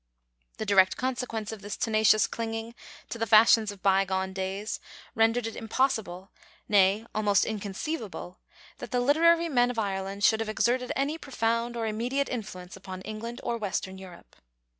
The direct consequence of this tenacious clinging to the fashions of by gone days rendered it impossible, nay almost inconceivable, that the literary men of Ireland should have exerted any profound or immediate influence upon England or western Europe.